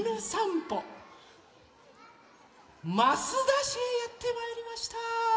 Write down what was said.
益田市へやってまいりました。